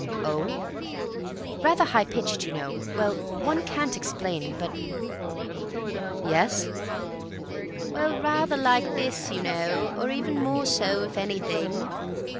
"Oh!" "Rather high pitched, you know, and—well, one can't explain, but——" "Yes?" "Well, rather like this, you know, or even more so if anything."